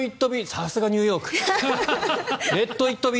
さすがニューヨーク。